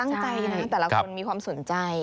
ตั้งใจนะแต่ละคนมีความสนใจ